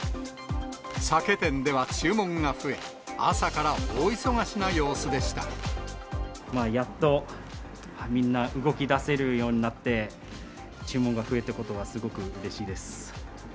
酒店では注文が増え、やっとみんな、動き出せるようになって、注文が増えたことはすごくうれしいです。